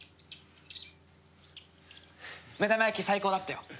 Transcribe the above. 目玉焼き最高だったよ。